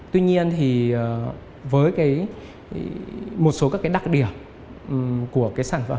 tuy nhiên thì với một số các cái đặc điểm của cái sản phẩm